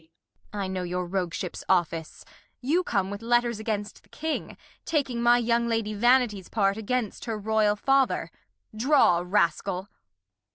Kent. I know your Rogueship's Office; you come with Letters against the King, taking my young Lady Vanity's Part against her Royal Father : Draw, Rascal.